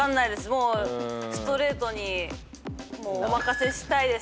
もうストレートにお任せしたいです。